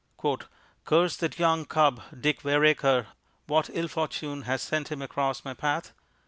"Curse that young cub, Dick Vereker, what ill fortune has sent him across my path?